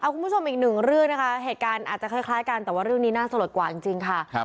คุณผู้ชมอีกหนึ่งเรื่องนะคะเหตุการณ์อาจจะคล้ายกันแต่ว่าเรื่องนี้น่าสลดกว่าจริงค่ะ